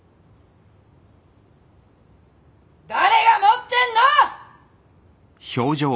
誰が持ってんの！